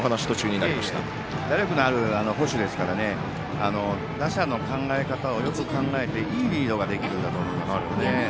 打力のある捕手ですから打者の考え方をよく考えていいリードができるんだと思いますね。